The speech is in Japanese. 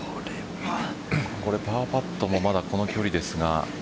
これ、パーパットもまだ、今日この距離ですが。